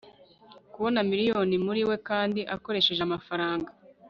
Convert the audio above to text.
kubona miliyoni muriwe kandi ukoreshe amafaranga